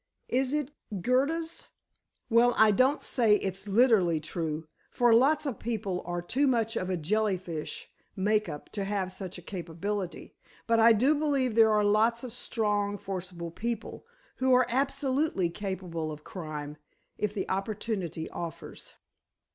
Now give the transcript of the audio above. "Is it Goethe's? Well, I don't say it's literally true, for lots of people are too much of a jellyfish makeup to have such a capability. But I do believe there are lots of strong, forcible people, who are absolutely capable of crime—if the opportunity offers."